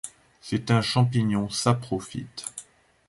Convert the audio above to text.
C'est un champignon saprophyte.